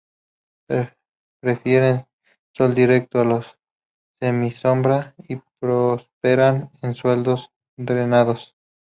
Prefieren sol directo o la semisombra y prosperan en suelos drenados.